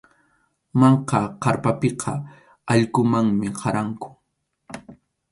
Manka kʼarpapiqa allqumanmi qaranku.